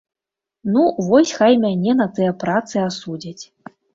Ну, вось хай мяне на тыя працы асудзяць.